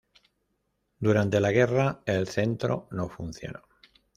Durante la Guerra el centro no funcionó.